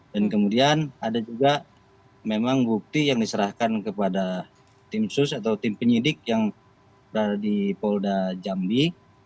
dan kemudian ada juga memang bukti yang diserahkan kepada tim sus atau tim penyidik yang berada di polda jambi